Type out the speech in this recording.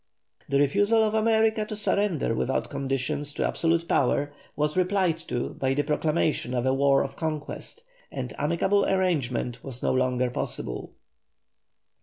The refusal of America to surrender without conditions to absolute power, was replied to by the proclamation of a war of reconquest, and amicable arrangement was no longer possible.